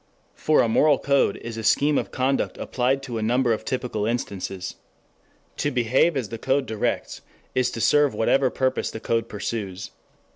For a moral code is a scheme of conduct applied to a number of typical instances. To behave as the code directs is to serve whatever purpose the code pursues.